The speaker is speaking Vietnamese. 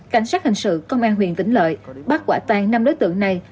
cảnh sát hình sự công an huyện tĩnh lợi bắt quả tàn năm đối tượng này